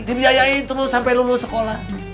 dibiayain terus sampai lulus sekolah